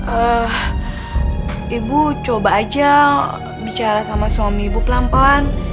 eh ibu coba aja bicara sama suami ibu pelan pelan